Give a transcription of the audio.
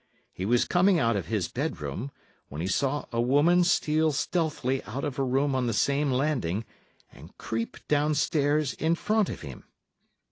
He was coming out of his bedroom, when he saw a woman steal stealthily out of a room on the same landing and creep downstairs in front of him.